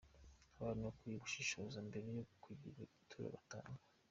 Abantu bakwiye gushishoza mbere yo kugira ituro batanga’.